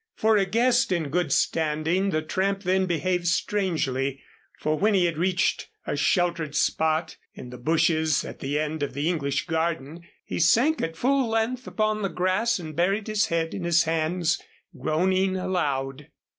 For a guest in good standing the tramp then behaved strangely, for when he had reached a sheltered spot, in the bushes at the end of the English Garden, he sank at full length upon the grass and buried his head in his hands, groaning aloud.